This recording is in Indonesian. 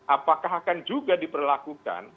apakah akan juga diperlakukan